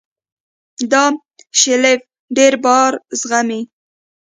دا شیلف ډېر بار زغمي.